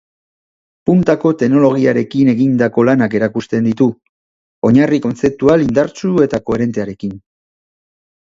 Puntako teknologiarekin egindako lanak erakusten ditu, oinarri kontzeptual indartsu eta koherentearekin.